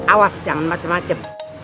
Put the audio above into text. awas jangan macem macem